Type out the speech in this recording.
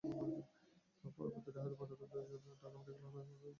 পরে মৃতদেহটি ময়নাতদন্তের জন্য ঢাকা মেডিকেল কলেজ হাসপাতালের মর্গে পাঠান হয়।